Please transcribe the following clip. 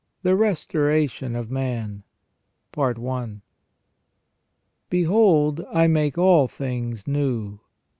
THE RESTORATION OF MAN. "Behold I make all things new."